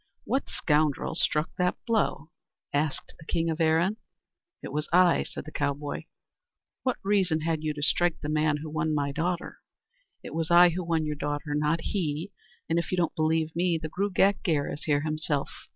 "What scoundrel struck that blow?" asked the king of Erin. "It was I," said the cowboy. "What reason had you to strike the man who won my daughter?" "It was I who won your daughter, not he; and if you don't believe me, the Gruagach Gaire is here himself.